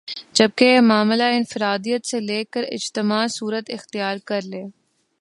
جبکہ یہ معاملہ انفراد عیت سے ل کر اجتماع صورت اختیار کر لے